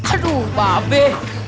aduh mbak be